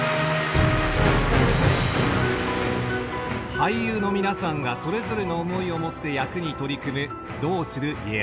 俳優の皆さんがそれぞれの思いを持って役に取り組む「どうする家康」。